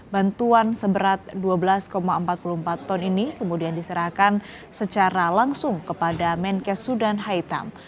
bantuan seberat dua belas empat puluh empat ton ini kemudian diserahkan secara langsung kepada menkes sudan haitam